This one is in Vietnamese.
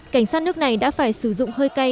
cảnh sát nước này đã phải sử dụng hơi cay